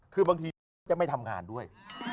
คือบางทีเขาจะไม่ทำงานด้วย